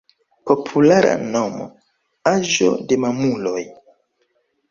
Populara nomo: Aĝo de Mamuloj.